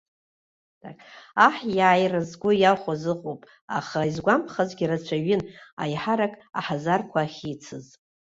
Аҳ иааира згәы иахәаз ыҟоуп, аха изгәамԥхазгьы рацәаҩын, аиҳарак аҳазарқәа ахьицыз.